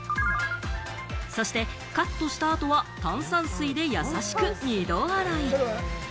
そしてカットした後は炭酸水で優しく二度洗い。